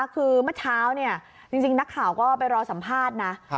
คือเมื่อเช้าจริงนักข่าวก็ไปรอสัมภาษณ์นะ